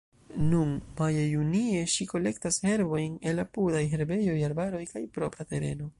Nun, maje-junie, ŝi kolektas herbojn el apudaj herbejoj, arbaroj kaj propra tereno.